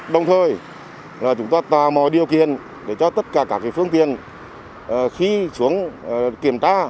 đồng thời chúng ta tạo mọi điều kiện để cho tất cả các phương tiện khi xuống kiểm tra